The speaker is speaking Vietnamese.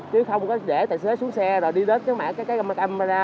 chứ không có để tài xế xuống xe rồi đi đến cái mạng camera